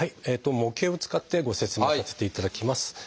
模型を使ってご説明させていただきます。